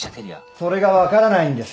それが分からないんです。